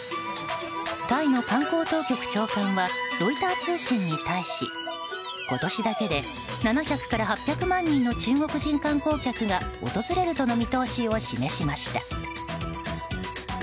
タイの観光当局長官はロイター通信に対し今年だけで７００から８００万人の中国人観光客が訪れるとの見通しを示しました。